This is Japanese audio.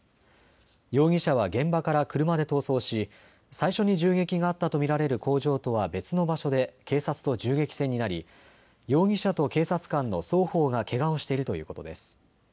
容疑者は現場から車で逃走し最初に銃撃があったと見られる工場とは別の場所で警察と銃撃戦になり、容疑者と警察官の双方がけがをしているということです。